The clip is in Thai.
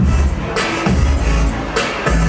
ไม่ต้องถามไม่ต้องถาม